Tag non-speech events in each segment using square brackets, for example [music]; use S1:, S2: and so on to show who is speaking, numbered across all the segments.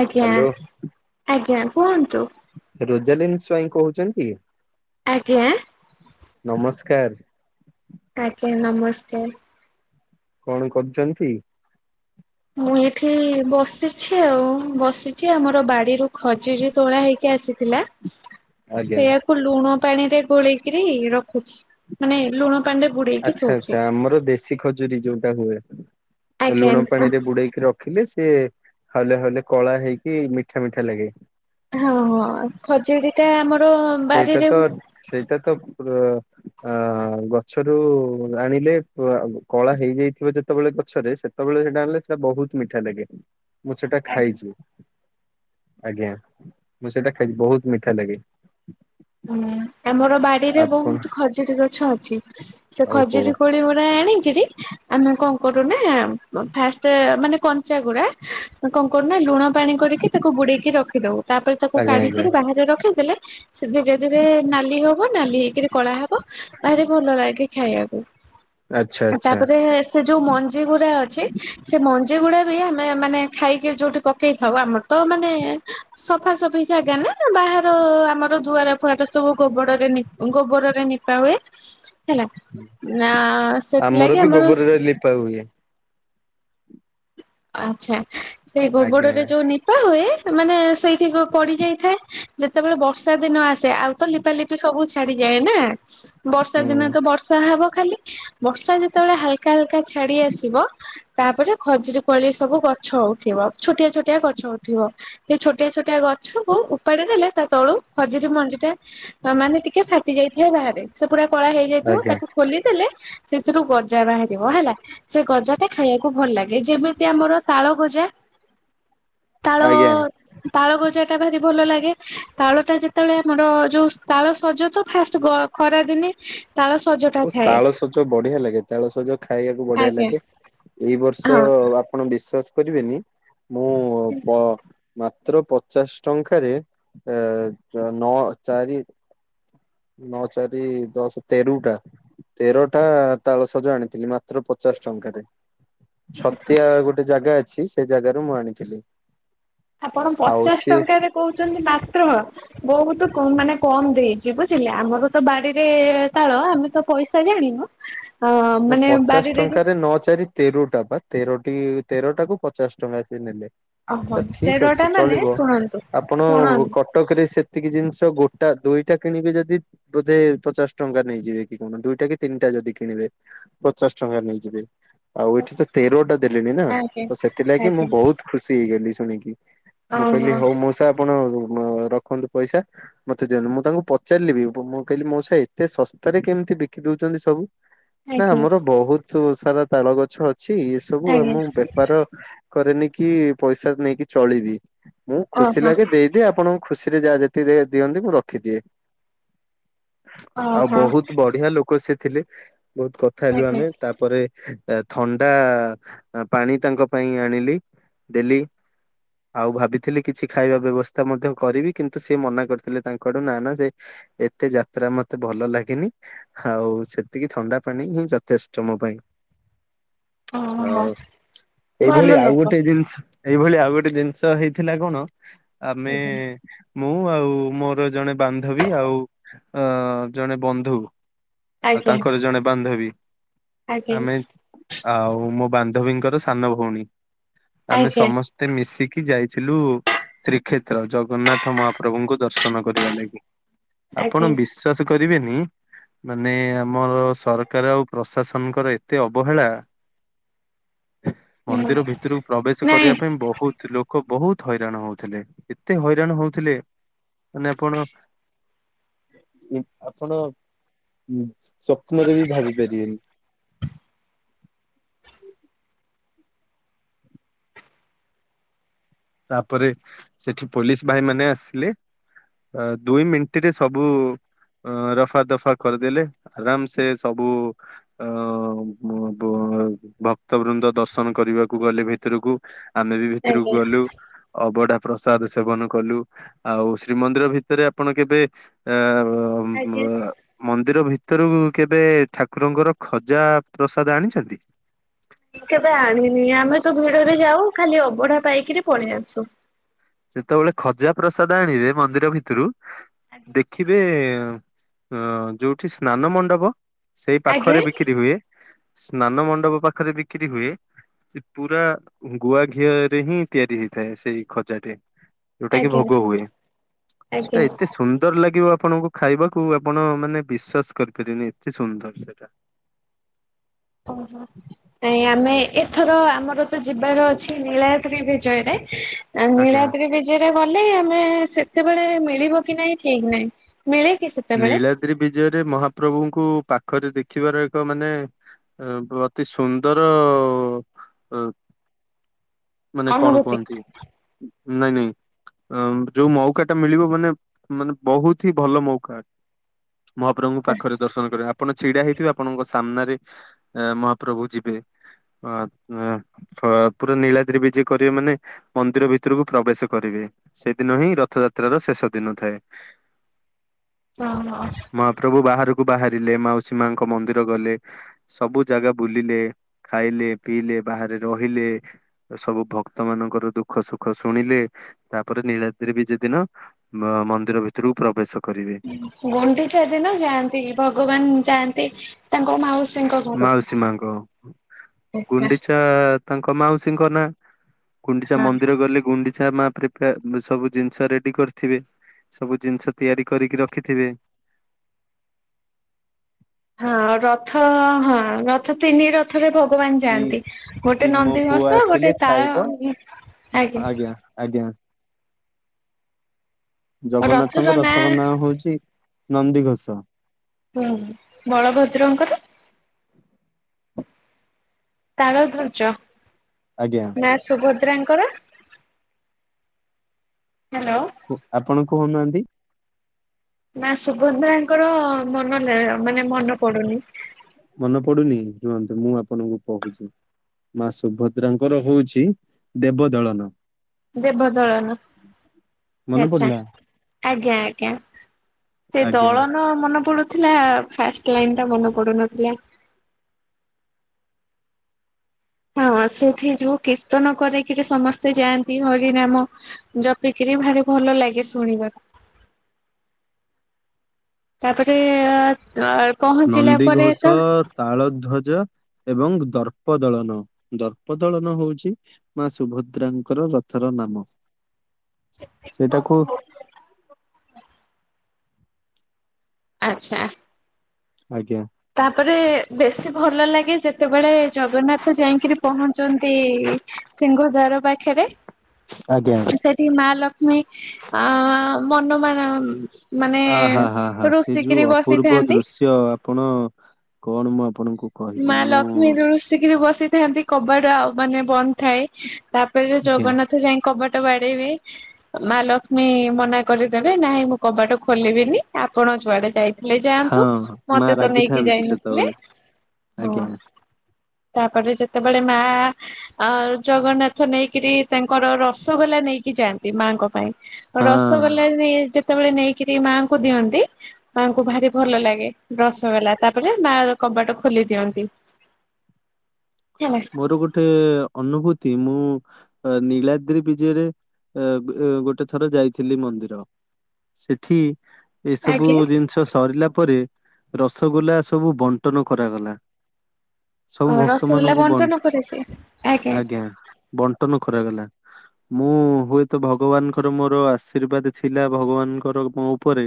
S1: ଆଜ୍ଞା
S2: ହ୍ୟାଲୋ
S1: ଆଜ୍ଞା କୁହନ୍ତୁ।
S2: ରୁଜାଲିନ ସ୍ୱାଇଁ କୋହୁଚନ୍ତି?
S1: ଆଜ୍ଞା।
S2: ନମସ୍କାର।
S1: ଆଜ୍ଞା ନମସ୍କାର।
S2: କଣ କରୁଚନ୍ତି?
S1: ମୁଁ ଏଇଠି ବସିଛି ଆଉ ବସିଚି ଏ ଆମର ବାଡ଼ିରୁ ଖଜୁରୀ ତୋଳା ହେଇକି ଆସିଥିଲା।
S2: [inaudible]
S1: ସେୟାକୁ ଲୁଣ ପାଣିରେ ଗୋଳେଇକିରି ରଖୁଛି ମାନେ ଲୁଣ ପାଣିରେ ବୁଡେଇକି
S2: ଆଛା
S1: ଥୋଉଛି
S2: ଆଛା ଆମର ଦେଶୀ ଖଜୁରୀ ଯୋଉଟା ହୁଏ ଏ
S1: ଆଜ୍ଞା
S2: ଲୁଣ ପାଣିରେ ବୁଡେଇକି ରଖ ଖିଲେ ସିଏ ହାଉଲେ ହାଉଲେ କଳା ହେଇକି ମିଠା ମିଠା ଲାଗେ।
S1: ହଁ ହଁ ଖଜିରୀଟା ଆମର
S2: ସେଇଟା
S1: ବାରିରେ
S2: ତ
S1: ହୁଏ।
S2: ସେଇଟା ତ ପୁର ଆ ଗଛରୁ ଆଣିଲେ କ କଳା ହେଇଯାଇଥିବ ଯେତେବେଳେ ଗଛରେ ସେ ସତେବେଳେ ହେଟା ଆଣଲେ ସେଟା ବୋହୁତ ମିଠାଲାଗେ। ମୁଁ ସେଟା
S1: ଆଜ୍ଞା।
S2: ଖାଇଚି ଆଜ୍ଞା ମୁଁ ସେଟା ଖାଇଚି ବୋହୁତ ମିଠାଲାଗେ। [inaudible]
S1: ଉଁ ହୁଁ ଆମର ବାଡିରେ
S2: ଆପଣ
S1: ବୋହୁତ ଖଜିରୀ ଗଛ ଅଛି। ସେ
S2: ଓହୋ
S1: ଖଜୁରୀ କୋଳିଗୁଡା ଆଣିକିରି ଆମେ କଣ କରୁନା ମ୍ ଫାଷ୍ଟେ ମାନେ କଞ୍ଚାଗୁଡା କଣ କରୁନା ଲୁଣ ପାଣି କରିକି ତାକୁ ବୁଡେଇକି ରଖିଦୋଉ ତାପରେ ତାକୁ
S2: ଆଜ୍ଞା ଆଜ୍ଞା
S1: କାଢିକିରି ବାହାରେ ରଖିଦେଲେ ସେ ଧୀରେ ଧୀରେ ନାଲି ହବ ନାଲି ହେଇକିରି କଳା ହବ ଭାରି ଭଲଲାଗେ ଖାଇବାକୁ।
S2: ଆଚ୍ଛା
S1: ଆଉ
S2: ଆଚ୍ଛା
S1: ତାପରେ ହେସ୍ ସେ ଯୋଉ ମଞ୍ଜିଗୁରା ଅଛି ସେ ମଞ୍ଜିଗୁଡା ବି ଆମେ ମାନେ ଖାଇକି ଯୋଉଠି ପକେଇଥାଉ ଆମର ତ ମାନେ ସଫାସଫି ଜାଗା ନା ନା ବାହାର ଆମର ତ ଦୁଆର ଫୁଆର ସବୁ ଗୋବଡରେ ଗୋବରରେ ନିପା ହୁଏ ହେଲା ନା ସେଥିଲାଗି
S2: ବି
S1: ଆମର
S2: ଗୋବରରେ ଲିପା ହୁଏ।
S1: ଆଚ୍ଛା ସେଇ
S2: ଆଜ୍ଞା
S1: ଗୋବରରେ ଯୋଉ ନି ପା ହୁଏ ମାନେ ସେଇଠିକି ପଡି ଯାଇଥାଏ। ଯେତେବେଳେ ବର୍ଷା ଦିନ ଆସେ ଆଉ ତ ଲିପା ଲିପି ସବୁ ଛାଡିଯାଏ ନା ବର୍ଷା
S2: ହୁଁ
S1: ଦିନେ ତ ବର୍ଷା ହବ ଖାଲି। ବର୍ଷା ଯେତେବେଳେ ହାଲକା ହାଲକା ଛାଡି ଆସିବ ତାପରେ ଖଜୁରୀ କୋଳି ସବୁ ଗଛ ଉଠିବ ଛୋଟିଆ ଛୋଟିଆ ଗଛ ଉଠିବ। ସେ ଛୋଟିଆ ଛୋଟିଆ ଗଛକୁ ଉପାଡି ଦେଲେ ତା ତଳୁ ଖଜିରି ମଞ୍ଜିଟା ମାନେ ଟିକେ ଫାଟି ଯାଇଥାଏ ବାହାରେ ସେ ପୁରା କଳା ହେଇଯାଇଥିବ
S2: ଆଜ୍ଞା।
S1: ତାକୁ ଖୋଲିଦେଲେ ସେଥିରୁ ଗଜା ବାହାରିବ ହେଲା ସେ ଗଜା ଟା ଖାଇବାକୁ ଭଲ ଲାଗେ। ଯେମି ତି ଆମର ତାଳ ଗଜା ତାଳ
S2: ଆଜ୍ଞା।
S1: ତାଳ ଗଜା ଟା ଭାରି ଭଲ ଲାଗେ। ତାଳ ଟା ଯେତେବେଳେ ଆମର ଯୋଉ ତାଳ ସଜ ତ ଫାଷ୍ଟ ଗ ଖରାଦିନେ।
S2: ଓ ତାଳସଜ ବଢିଆ ଲାଗେ ତାଳସଜ ଖାଇବାକୁ ବଢିଆ
S1: ଆଜ୍ଞା।
S2: ଲାଗେ। ଏଇ ବର୍ଷ
S1: ହଁ
S2: ଆପଣ ବିଶ୍ଵାସ କରିବେନି ମୁଁ ପ ମାତ୍ର ପଚାଶ ଟଙ୍କାରେ ନଅ ଚାରି ନଅ ଚାରି ଦଶ ତେରଟା ତେରଟା ତାଳସଜ ଆଣିଥିଲି। ମା ମାତ୍ର ପଚାଶ ଟଙ୍କାରେ ଛତିଆ ଗୋଟେ ଜାଗା ଅଛି ସେ ଜାଗାରୁ ମୁଁ ଆଣିଥିଲି।
S1: ଆପଣ
S2: ଆଉ
S1: ପଚାଶ
S2: ସିଏ
S1: ଟଙ୍କା ରେ କହୁଛନ୍ତି ମାତ୍ର ବହୁତ ମାନେ କମ୍ ଦେଇଛି ବୁଝିଲେ ଆମର ତ ବାଡିରେ ତାଳ ଆମେ ତ ପଇସା ଜାଣିନୁ। ଅ
S2: ନା
S1: ମାନେ
S2: ପଚାଶ
S1: ବାରିରେ ଯୋଉ
S2: ଟଙ୍କାରେ ନଚାରି ତେରଟା ବା ତେରଟି ତେରଟା କୁ ପଚାଶ ଟଙ୍କା ସେ ନେଲେ।
S1: ଓହୋ
S2: ତ ଠିକ୍
S1: ତେରଟା
S2: ଅଛି
S1: ମାନେ
S2: ଚଳିବ
S1: ଶୁଣନ୍ତୁ
S2: ଆପଣ କ
S1: ଶୁଣନ୍ତୁ
S2: କଟକରେ ସେତିକି ଜିନିଷ ଗୋଟା ଦୁଇଟା କିଣିବି ଯଦି ବୋଧେ ପଚାଶ ଟଙ୍କା ନେଇଯିବେ କି କଣ ଦୁଇଟା କି ତିନିଟା ଯଦି କିଣିବେ। ପଚାଶ ଟଙ୍କା ନେଇଯିବି ଆଉ ଏଇଠି ତ ତେର ଟା ଦେଲିଣିି ନା
S1: ଆଜ୍ଞା।
S2: ତ ସେଥିଲାଗି ମୁଁ
S1: ଆଜ୍ଞା
S2: ବହୁତ ଖୁସି ହେଇଗଲି ଶୁଣିକି ମୁଁ କହିଲି
S1: ଓହୋ
S2: ହୋଉ ମଉସା ଆପଣ ରଖନ୍ତୁ ପଇସା। ମତେ ଦିଅନ୍ତୁ। ମୁଁ ତାଙ୍କୁ ପଚାରିଲି ବି ମୁଁ କହିଲି ମୋଉଷା ଏତେ ଶସ୍ତାରେ କେମିତି ବିକି ଦଉଛନ୍ତି ସବୁ। ନା
S1: ଆଜ୍ଞା
S2: ଆମର ବହୁତ ସାରା ତାଳ ଗଛ ଅଛି। ଏ ସବୁ
S1: ଆଜ୍ଞା।
S2: ଆମ ବେପାର। କରେନି କି ପଇସା ନେଇକି ଚଳିବି ମୁଁ ଖୁସି
S1: ଓହୋ
S2: ଲାଗେ ଦେଇଦିଏ ଆପଣ। ଖୁସି ରେ ଯାହା ଯେତିକି ଦେବେ ଦିଅନ୍ତି ମୁଁ ରଖିଦିଏ। ଆଉ
S1: ଓହୋ
S2: ବହୁତ ବଢିଆ ଲୋକ ସେ ଥିଲେ। ବହୁତ କଥା ହେଲୁ
S1: ଆଜ୍ଞା
S2: ଆମେ। ତା ପରେ ଥଣ୍ଡା ପାଣି ତାଙ୍କ ପାଇଁ ଆଣିଲି ଦେଲି। ଆଉ ଭାବିଥିଲି କିଛି ଖାଇବା ବ୍ୟବସ୍ଥା ମଧ୍ୟ କରିବି କିନ୍ତୁ ସେ ମନା କରିଥିଲେ ତାଙ୍କ ଆଡୁ। ନା ନା ସେ ଏତେ ଯାତ୍ରା ମତେ ଭଲ ଲାଗେନି। ଆଉ ସେତିକି ଥଣ୍ଡା। ପାଣି ହିଁ ଯଥେଷ୍ଟ ମୋ ପାଇଁ।
S1: ଓହୋ
S2: ଆଉ ଏଇଭଳି
S1: ଭଲ
S2: ଆଉ
S1: ଲୋକ।
S2: ଗୋଟେ ଜିନିଷ ଏଇଭଳି ଆଉ ଗୋଟେ ଜିନିଷ ହେଇଥିଲା କଣ? ଆମେ
S1: ଆଜ୍ଞା
S2: ମୁଁ ଆଉ ମୋର ଜଣେ ବାନ୍ଧବୀ ଆଉ ଆ ଜଣେ ବନ୍ଧୁ ଆଉ
S1: ଆଜ୍ଞା
S2: ତାଙ୍କର ଜଣେ ବାନ୍ଧବୀ।
S1: ଆଜ୍ଞା
S2: ଆମେ ଆଉ ମୋ ବାନ୍ଧବୀଙ୍କର ସାନ ଭଉଣୀ ଆମେ
S1: ଆଜ୍ଞା
S2: ସମସ୍ତ ମତେ ମିଶିକି ଯାଇଥିଲୁ। ଶ୍ରୀଖେତ୍ର ଜଗନ୍ନାଥ ମହାପ୍ରଭୁଙ୍କୁ ଦର୍ଶନ କରିବା ଲାଗି।
S1: ଆଜ୍ଞା
S2: ଆପଣ ବିଶ୍ଵାସ କରିବେନି ମାନେ ଆମର ସରକାର ଆଉ ପ୍ରଶାସନଙ୍କର ଏତେ ଅବହେଳା।
S1: ହୁଁ
S2: ମନ୍ଦିର ଭିତରକୁ ପ୍ରବେଶ
S1: ନାଇଁ
S2: କରିବା ପାଇଁ ବହୁତ ଲୋକ ବହୁତ ହଇରାଣ ହଉଥିଲେ। ଏତେ ହଇରାଣ ହଉଥିଲେ। ମାନେ ଆପଣ ଆପଣ ଆପଣ ଚ୍ୟା ସ୍ବପ୍ନ ବି ଭାବି ପାରିବେନି। ତାପରେ ସେଠି ପୋଲିସ ଭାଇ ମାନେ ଆସିଲେ। ଅ ଦୁଇ ମିନିଟରେ ସବୁ ଅ ରଫା ଦଫା କରିଦେଲେ ଆରାମ ସେ ସବୁ। ଅ ବ ବ ଭକ୍ତ ବୃନ୍ଦ ଦର୍ଶନ କରିବାକୁ ଗଲେ ଭିତରୁକୁ। ଆମେ ବି ଭିତୁରୁକୁ
S1: ଆଜ୍ଞା
S2: ଗଲୁ। ଅବଢା ପ୍ରସାଦ ସେବନ କଲୁ। ଆଉ ଶ୍ରୀମନ୍ଦିର ଭିତରେ ଆପଣ କେବେ ଏ
S1: ଆଜ୍ଞା
S2: ଅ। ମନ୍ଦିର ଭିତରୁକୁ କେବେ ଠାକୁରଙ୍କର ଖଜା ପ୍ରସାଦ ଆଣିଛନ୍ତି?
S1: କେବେ ଆଣିନି। ଆମେ ତ ଭିଡରେ ଯାଉ ଖାଲି ଅବଢା ପାଇକିରି ପଳେଇ ଆସୁ।
S2: ଯେତେବେଳେ ଖଜା ପ୍ରସାଦ ଆଣିବେ ମନ୍ଦିର ଭିତରୁ ଦେଖି।
S1: ଆଜ୍ଞା
S2: ଦେଖିବେ ଯୋଉଠି ସ୍ନାନ ମଣ୍ଡପ ସେଇ
S1: ଆଜ୍ଞା
S2: ପାଖରେ ବିକ୍ରି ହୁଏ। ସ୍ନାନ ମଣ୍ଡପ ପାଖରେ ବିକ୍ରି ହୁଏ। ସେ ପୁରା ଗୁଆ ଘିଅରେ ହିଁ ତିଆରି ହେଇଥାଏ। ସେଇ ଖଜାଟେ। ଯୋଉଟା କି ଭୋଗ ହୁଏ
S1: ଆଜ୍ଞା
S2: ସେଟା ଏତେ ସୁନ୍ଦର ଲାଗିବ ଆପଣଙ୍କୁ। ଖାଇବାକୁ ଆପଣ ମାନେ ବିସ୍ୱାସ କରିପାରିବେନି ଏତେ ସୁନ୍ଦର ସେଟା।
S1: ହଁ, ହଁ। ଏଇ ଆମେ ଏଥର ଆମର ତ ଯିବାର ଅଛି ନୀଳୟତ୍ରୀ ବି ଆଉ
S2: ଆଜ୍ଞା
S1: ନୀଳାତି ନିଜରେ ଗଲେ ଆମେ ସେତେବେଳେ ମିଳିବ କି ନାହିଁ ଠିକ ନାହିଁ ମିଳେ କି ସେ
S2: ନୀଳାଦ୍ରି ବିଜୟରେ ମହାପ୍ରଭୁଙ୍କୁ ପାଖରେ ଦେଖିବାର ଏକ ମାନେ ଅତି ସୁନ୍ଦର ମାନେ କଣ
S1: ଅନୁଭୂତି
S2: କୁହନ୍ତି ନାଇଁ ନାଇଁ। ଅ ଯୋଉ ମୌକା ଟା ମିଳିବ ମାନେ ମାନେ ବହୁତ ହି ଭଲ ମଉକା। ମହାପ୍ରଭୁଙ୍କୁ ପାଖରେ ଦର୍ଶନ କରିବେ ଆପଣ ଛିଡା ହେଇଥିବେ, ଆପଣଙ୍କ ସାମ୍ନାରେ ମହାପ୍ରଭୁ ଯିବେ। ଅ ପୁରା ନୀଳା ଦ୍ରିିବିଜେ କରିବେ ମାନେ ମନ୍ଦିର ଭିତରକୁ ପ୍ରବେଶ କରିବେ ସେଦିନ ହିଁ ରଥଯାତ୍ରାର ଶେଷ ଦିନ ଥାଏ।
S1: ଓ ହଁ।
S2: ମହାପ୍ରଭୁ ବାହାରକୁ ବାହାରିଲେ ମାଉସୀ ମାଙ୍କ ମନ୍ଦିର ଗଲେ। ସବୁ ଜାଗା ବୁଲିଲେ ଖାଇଲେ ପିଇଲେ ବାହାରେ ରହିଲେ। ସବୁ ଭକ୍ତ ମାନଙ୍କର ଦୁଃଖ ସୁଖ ଶୁଣିଲେ ତାପରେ ନୀଳାଦ୍ରି ବିଜେ ଦିନ ମନ୍ଦିର ଭିତରୁ ପ୍ରବେଶ କରିବେ।
S1: ଗୁଣ୍ଡିଚା ଦିନ ଯାଆନ୍ତି, ଭଗବାନ ଯାଆନ୍ତି। ତାଙ୍କ ମାଉସୀଙ୍କ ଘରକୁ।
S2: ମାଉସୀ ମାଙ୍କ ଗୁଣ୍ଡିଚା ତାଙ୍କ ମାଉସୀଙ୍କ ନାଁ ଗୁଣ୍ଡିଚା
S1: ହଁ
S2: ମନ୍ଦିର ଗଲେ ଗୁଣ୍ଡି ଆଛା ମା ପ୍ରିପ ସବୁ ଜିନିଷ ରେଡି କରିଥିବେ, ସବୁ ଜିନିଷ ତିଆରି କରିକି ରଖିଥିବେ ସେ
S1: ହଁ, ରଥ ହଁ ରଥ ତିନି ର ଥରେ ଭଗବାନ
S2: କି
S1: ଯାଆନ୍ତି
S2: କି
S1: ଗୋଟେ
S2: ମୋ
S1: ନନ୍ଦୀ
S2: ପୁଅ
S1: ଘୋଷ
S2: ଆସିଲେ
S1: ଗୋଟେ ତାଳ
S2: ଖାଇବ ଆଜ୍ଞା! ଆଜ୍ଞା! ଜଗନ୍ନାଥଙ୍କ ରଥଙ୍କ ନାଁ ହଉଛି ନନ୍ଦିଘୋଷ।
S1: ହୁଁ ବଳଭଦ୍ରଙ୍କର? ତାଳ ଧ୍ୱଜ।
S2: ଆଜ୍ଞା।
S1: ନା ସୁଭଦ୍ରାଙ୍କର। ହ୍ୟାଲୋ।
S2: ଆପଣ କହୁନାହାନ୍ତି?
S1: ନା ସୁଭଧ୍ରାଙ୍କର ମନ ମାନେ ମନେ ପଡୁନି।
S2: ମନେ ପଡୁନି ଶୁଣନ୍ତୁ ମୁଁ ଆପଣଙ୍କୁ କହୁଛି। ମା ସୁଭଦ୍ରାଙ୍କର ହଉଛି ଦେବ ଦଳନ।
S1: ଦେବଦଳନ।
S2: ମନେ
S1: ଆଚ୍ଛା!
S2: ପଡିଲା
S1: ଆଜ୍ଞା! ଆଜ୍ଞା! ସେ
S2: ଆଜ୍ଞା
S1: ଦଳ ମନେ ପଡୁଥିଲା ଫାଷ୍ଟ ଲାଇନ ଟା ମନେ ପଡୁନଥିଲା। ହଁ, ସେଠି ଯୋଉ କୀର୍ତ୍ତନ କରିକିରି ସମସ୍ତେ ଯାଆନ୍ତି ହରି ନାମ ଜପିକିରି ଭାରି ଭଲ ଲାଗେ ଶୁଣିବାକୁ। ତାପରେ ଅ ପହଞ୍ଚିଲା ପରେ
S2: ନନ୍ଦିଘୋଷ
S1: ତ
S2: ତାଳଧ୍ୱଜ ଏବଂ ଦର୍ପଦଳନ ଦର୍ପଦଳନ ହଉଛି ମା ସୁଭଦ୍ରାଙ୍କର ରଥର ନାମ, ସେଇଟାକୁ
S1: ଆଚ୍ଛା।
S2: ଆଜ୍ଞା।
S1: ତାପରେ ବେଶୀ ଭଲ ଲାଗେ ଯେତେବେଳେ ଜଗନ୍ନାଥ ଯାଇଁକିରି ପହଞ୍ଚନ୍ତି ସିଂହ ଦ୍ୱାର ପାଖରେ
S2: ଆଜ୍ଞା।
S1: ସେଠି ମା ଲକ୍ଷ୍ମୀ ଆଁ ମନ ମା ଉ ମାନେ
S2: ଆ ହା
S1: ଋଷିକିରି ବସିଥାନ୍ତି।
S2: ଯ ଆପଣ କଣ ମୁଁ ଆପଣଙ୍କୁ କହିବି
S1: ମା
S2: ମୁଁ
S1: ଲକ୍ଷ୍ମୀ ଋଷିକିରି ବସିଥାନ୍ତି କବାଟ ଆଉ ମାନେ ବନ୍ଦ ଥାଏ। ତାପରେ
S2: ଆଜ୍ଞା
S1: ଜଗନ୍ନାଥ ଯାଇଁ କବାଟ ବାଡେଇବେ। ମା ଲକ୍ଷ୍ମୀ ମନା କରିଦେବେ ନାହିଁ ମୁଁ କବାଟ ଖୋଲିବିନି ଆପଣ ଯୁଆଡେ ଯାଇ ଲେ
S2: ହଁ
S1: ଯାଆନ୍ତୁ
S2: ମା
S1: ମତେ ତ ନେଇକି
S2: ରାଗିଥାନ୍ତି
S1: ଯାଇନଥିଲେ
S2: ସେତେବେଳେ
S1: ହଁ
S2: ଆଜ୍ଞା
S1: ତାପରେ ଯେତେବେଳେ ମାଆ ଅ ଜଗନ୍ନାଥ ନେଇକିରି ତାଙ୍କର ରସଗୋଲା ନେଇକି ଯାଆନ୍ତି ମାଙ୍କ ପାଇଁ
S2: ହଁ
S1: ରସଗୋଲା ନେଇ ଯେ ତେବେଳେ ନେଇକରି ମାଙ୍କୁ ଦିଅନ୍ତି ମାଙ୍କୁ ଭାରି ଭଲ ଲାଗେ ରସଗୋଲା ତାପ ରେ ମା କବାଟ ଖୋଲି ଦିଅନ୍ତି ହେଲା
S2: ମୋର ଗୋଠେ ଅନୁଭୂତି ମୁଁ ଅ ନୀଲାଦ୍ରି ବିଜୟରେ ଅ ଅ ଗୋଟେ ଥର ଯାଇଥିଲି ମନ୍ଦିର। ସେଠି ଏ ସବୁ
S1: ଆଜ୍ଞା।
S2: ଜିନିଷ ସରିଲା ପରେ ରସଗୋଲା ସବୁ ବଣ୍ଟନ କରାଗଲା। ସବୁ
S1: ଓ
S2: ଭକ୍ତ
S1: ରସଗୋଲା
S2: ମାନଙ୍କୁ
S1: ବଣ୍ଟନ
S2: ବଣ୍ଟ
S1: କରିଚି ଆଜ୍ଞା।
S2: [unintelligible] ବଣ୍ଟନ କରାଗଲା। ମୁଁ ହୁଏତ ଭଗବାନଙ୍କର ମୋର ଆଶୀର୍ବାଦ ଥିଲା ଭଗବାନଙ୍କର ମୋ ଉପରେ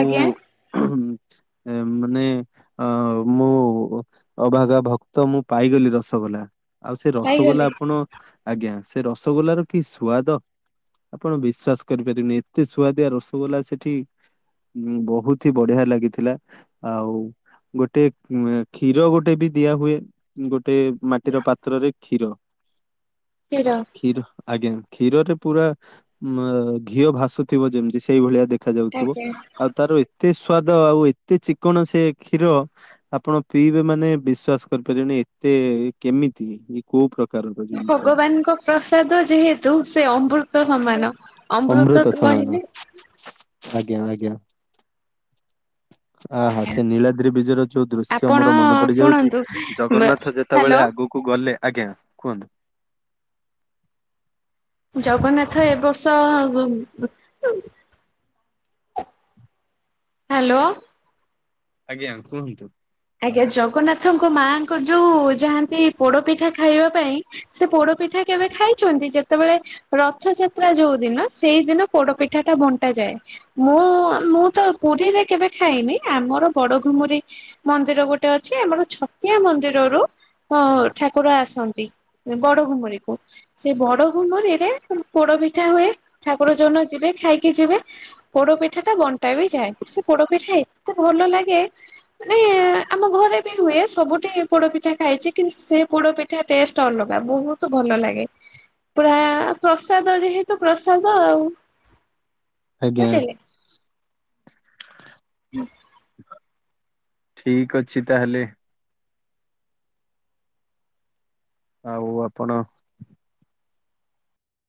S1: ଆଜ୍ଞା।
S2: ଅ ମାନେ ଅ ମୁଁ ଅଭାଗା ଭକ୍ତ ମୁଁ ପାଇଗଲି ରସଗୋଲା ଆଉ ସେ ରସଗୋଲା
S1: ପାଇଗଲେ
S2: ଆପଣ ଆଜ୍ଞା ସେ ରସଗୋଲାର କି ସୁଆଦ ଆପଣ ବିଶ୍ଵାସ କରିପାରିବେନି ଏତେ ସୁଆଦିଆ ରସଗୋଲା ସେଠି ହୁଁ ବହୁତ ହି ବଢିଆ ଲାଗିଥିଲା। ଆଉ ଗୋଟେ ମ କ୍ଷୀର ଗୋଟେ ବି ଦିଆ ହୁଏ। ଗୋଟେ ମାଟିର ପାତ୍ରରେ କ୍ଷୀର
S1: କ୍ଷୀର
S2: କ୍ଷୀର ଆଜ୍ଞା କ୍ଷୀରରେ ପୁରା ମ ଘିଅ ଭାସୁଥିବ ଯେମତି ସେଇଭଳିଆ ଦେଖ ଖାଯାଉଥିବ
S1: ଆଜ୍ଞା
S2: ଆଉ ତାର ଏତେ ସ୍ଵାଦ ଆଉ ଏତେ ଚିକ୍କଣ ସେ କ୍ଷୀର ଆପଣ ପିଇବେ ମାନେ ବିଶ୍ବାସ କରିପାରିବେନି ଏତେ କେମିତି କଉ ପ୍ରକାର
S1: ଭଗବାନଙ୍କ ପ୍ରସାଦ ଯେହେତୁ ସେ ଅମବ୍ରୁତ ସମାନ।
S2: ଅମୃତ ସମାନ ଆଜ୍ଞା-ଆଜ୍ଞା। ଆହା! ସେ ନୀଳାଦ୍ରି ବିଜୟର ଯୋଉ ଦୃଶ୍ୟ
S1: ଆପଣ
S2: ମୋର ମନେ ପଡିଯାଉଛି।
S1: ଶୁଣନ୍ତୁ
S2: ଜଗନ୍ନାଥ
S1: ହ୍ୟାଲୋ
S2: ଯେତେବେଳେ ଆଗକୁ ଗଲେ ଆଜ୍ଞା କୁହନ୍ତୁ।
S1: ଜଗନ୍ନାଥ ଏ ବର୍ଷ ଗ ଗ ହ୍ୟାଲୋ।
S2: ଆଜ୍ଞା କୁହନ୍ତୁ।
S1: ଆଜ୍ଞା ଜଗନ୍ନାଥଙ୍କ ମାଆଙ୍କ ଯୋଉ ଯାହାନ୍ତି ପୋଡପିଠା ଖାଇବା ପାଇଁ ସେ ପୋଡ ପିଠା କେବେ ଖାଇଛନ୍ତି ଯେତେବେଳେ ରଥଯାତ୍ରା ଯୋଉ ଦିନ ସେଇଦିନ ପୋଡ ପିଠା ଟା ବଣ୍ଟାଯାଏ। ମୁଁ ମୁଁ ତ ପୁରୀରେ କେବେ ଖାଇନି ଆମର ବଡ ଘୁମୁରି ମନ୍ଦିର ଗୋଟେ ଅଛି ଆମର ଛତିଆ ମନ୍ଦିରରୁ ଅ ଠାକୁର ଆସନ୍ତି। ବଡ଼ ଘୁମୁରି କୁ ସେଇ ବଡ଼ ଘୁମୁରିରେ ପୋଡ଼ ପିଠା ହୁଏ ଠାକୁର ଯୋଉଡଦିନ ଯିବେ ଖାଇକି ଯିବେ। ପୋଡ଼ ପିଠା ଟା ବଣ୍ଟା ବି ଯାଏ ସେ ପୋଡ଼ ପିଠା ଏତେ ଭଲ ଲାଗେ। ମାନେ ଆମ୍ ମ ଘରେ ବି ହୁଏ ସବୁଠି ପୋଡ଼ପିଠା ଖାଇଛି କିନ୍ତୁ ସେ ପୋଡ଼ପିଠା ଟେଷ୍ଟ ଅଲଗା ବହୁ ତୁ ଭଲ ଲାଗେ ପୁରା ପ୍ରସାଦ ଯେହେତୁ ପ୍ରସାଦ ଆଉ।
S2: ଆଜ୍ଞା।
S1: ବୁଝିଲେ।
S2: ଠିକ ଅଛି ତାହେଲେ। ଆଉ ଆପଣ